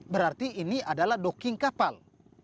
berarti ini adalah doking kapal